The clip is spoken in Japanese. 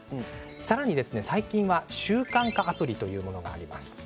さらに最近は習慣化アプリというものもあります。